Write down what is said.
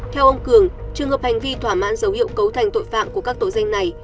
theo ông cường trường hợp hành vi thỏa mãn dấu hiệu cấu thành tội phạm của các tổ danh này